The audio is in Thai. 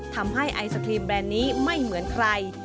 ไอศครีมแบรนด์นี้ไม่เหมือนใคร